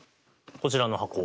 こちらの箱を。